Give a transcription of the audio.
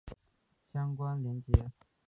相关连结